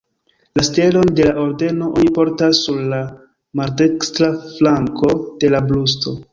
La stelon de la Ordeno oni portas sur la maldekstra flanko de la brusto.